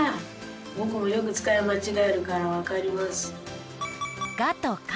ぼくもよくつかいまちがえるからわかります。